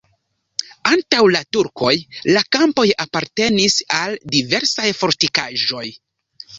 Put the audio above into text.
Antaŭ la turkoj la kampoj apartenis al diversaj fortikaĵoj.